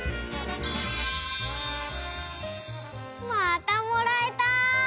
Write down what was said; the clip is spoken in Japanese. またもらえた！